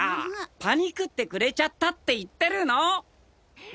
パニクってくれちゃったって言ってるの！